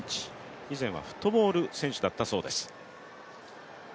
以前はフットボール選手だったそうです。